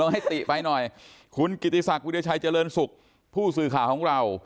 ลองให้ติไปหน่อยคุณกิติศักดิ์วิทยาชัยเจริญศุกร์ผู้สื่อข่าวของเรา